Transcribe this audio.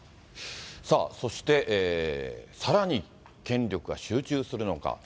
そして、さらに権力が集中するのか。